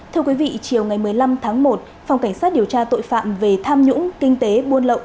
thưa quý vị chiều ngày một mươi năm tháng một phòng cảnh sát điều tra tội phạm về tham nhũng kinh tế buôn lậu